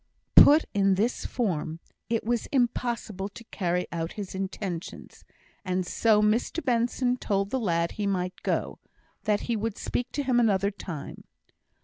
Put in this form, it was impossible to carry out his intentions; and so Mr Benson told the lad he might go that he would speak to him another time.